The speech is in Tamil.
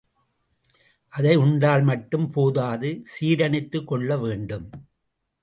அதை உண்டால் மட்டும் போதாது சீரணித்துக் கொள்ள வேண்டும்.